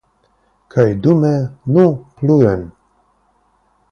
Kaj dume, nu pluen!